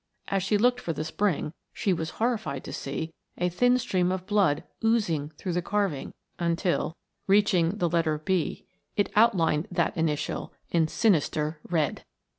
As she looked for the spring she was horrified to see a thin stream of blood oozing through the carving until, reaching the letter "B," it outlined that initial in sinister red.